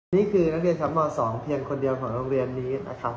นี่คือนักเรียนชั้นม๒เพียงคนเดียวของโรงเรียนนี้นะครับ